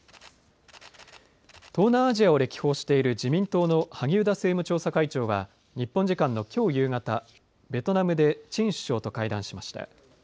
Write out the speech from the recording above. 東南アジアを歴訪している自民党の萩生田政務調査会長は日本時間のきょう夕方ベトナムでチン首相と会談しました。